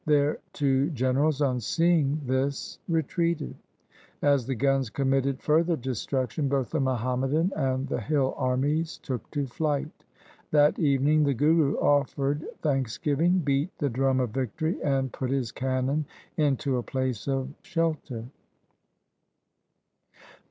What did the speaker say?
Their two generals on seeing this retreated. As the guns committed further destruction, both the Muhammadan and the hill armies took to flight. That evening the Guru offered thanksgiving, beat the drum of victory, and put his cannon into a place of shelter.